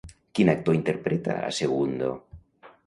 Quin actor interpreta a Segundo?